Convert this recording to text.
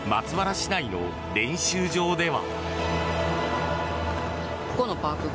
市内の練習場では。